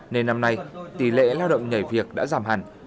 nên năm nay tỷ lệ lao động nhảy việc đã giảm hẳn